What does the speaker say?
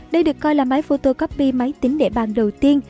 đây được coi là máy photocopy máy tính để bàn đầu tiên